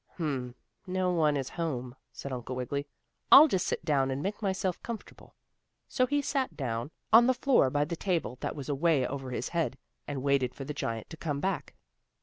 "Hum! No one is home," said Uncle Wiggily. "I'll just sit down and make myself comfortable." So he sat down on the floor by the table that was away over his head, and waited for the giant to come back.